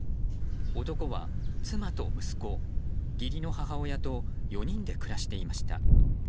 男は、妻と息子、義理の母親と４人で暮らしていました。